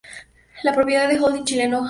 Es propiedad del "holding" chileno Cencosud.